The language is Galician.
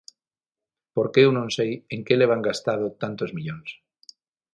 Porque eu non sei en que levan gastado tantos millóns.